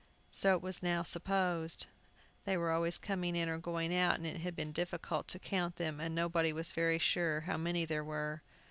So it was now supposed. They were always coming in or going out, and it had been difficult to count them, and nobody was very sure how many there were.